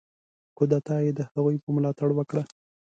کودتا یې د هغوی په ملاتړ وکړه.